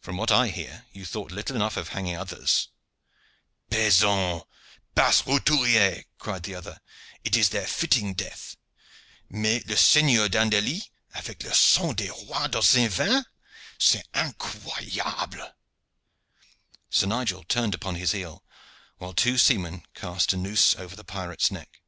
"From what I hear, you thought little enough of hanging others." "Peasants, base roturiers," cried the other. "It is their fitting death. Mais Le Seigneur d'Andelys, avec le sang des rois dans ses veins! C'est incroyable!" Sir Nigel turned upon his heel, while two seamen cast a noose over the pirate's neck.